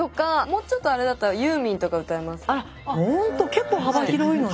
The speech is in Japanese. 結構幅広いのね。